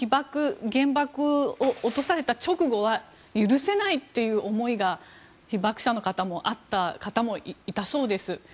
原爆を落とされた直後は許せないという思いが被爆者の方もあった方がいたそうです。